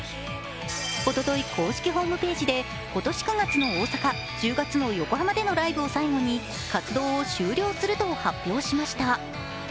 おととい公式ホームページで今年９月の大阪、今年１０月でのライブを最後に活動を終了すると発表しました。